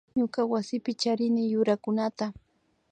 Ñuka wasipi charini yurakunata